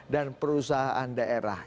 dan perusahaan daerah